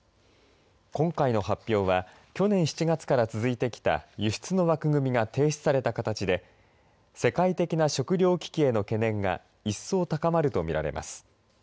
今回の発表は去年７月から続いてきた輸出の枠組みが停止された形で世界的な食料危機への懸念が一層、高まると見られます。